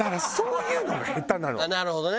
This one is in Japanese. なるほどね。